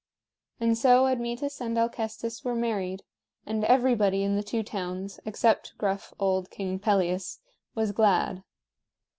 And so Admetus and Alcestis were married, and everybody in the two towns, except gruff old King Pelias, was glad.